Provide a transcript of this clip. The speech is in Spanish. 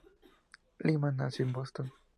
Lyman nació en Boston.